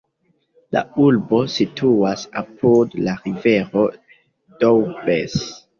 La urbo situas apud la rivero Doubs.